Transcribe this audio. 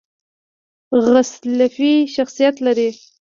غلسفي شخصیت لري .